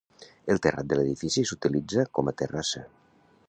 El terrat de l'edifici s'utilitza com a terrassa.